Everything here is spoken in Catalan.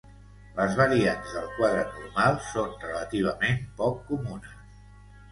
Les variants del quadre normal són relativament poc comunes.